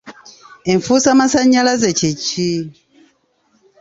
Enfuusamasannyalaze kye ki?